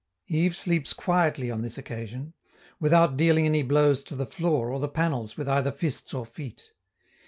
Yves sleeps quietly on this occasion, without dealing any blows to the floor or the panels with either fists or feet.